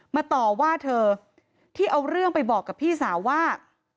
ต่อว่าเธอที่เอาเรื่องไปบอกกับพี่สาวว่า